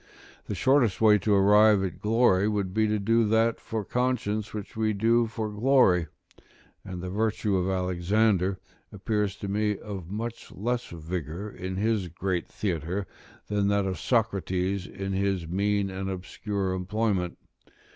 The shortest way to arrive at glory, would be to do that for conscience which we do for glory: and the virtue of Alexander appears to me of much less vigour in his great theatre, than that of Socrates in his mean and obscure employment.